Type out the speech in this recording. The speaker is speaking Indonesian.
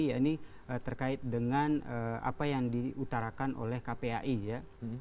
ya ini terkait dengan apa yang diutarakan oleh kpai ya